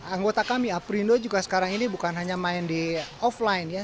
anggota kami aprindo juga sekarang ini bukan hanya main di offline ya